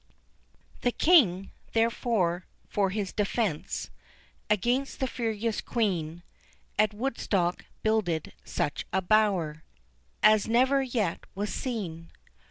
The King, therefore, for his defence Against the furious Queen, At Woodstock builded such a bower, As never yet was seen.